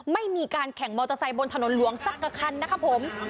ไม่มีการแข่งมอเตอร์ไซค์บนถนนหลวงสักกระคันนะครับผม